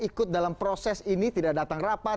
ikut dalam proses ini tidak datang rapat